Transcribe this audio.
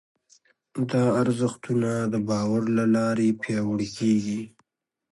دا ارزښتونه د باور له لارې پياوړي کېږي.